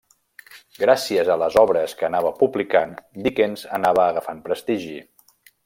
Gràcies a les obres que anava publicant, Dickens anava agafant prestigi.